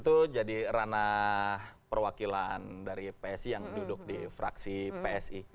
itu jadi ranah perwakilan dari psi yang duduk di fraksi psi